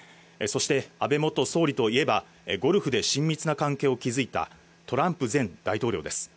そして安倍元総理といえば、ゴルフで親密な関係を築いたトランプ前大統領です。